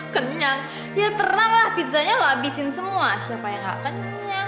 kenyang ya tenanglah pizzanya lo abisin semua siapa yang gak kenyang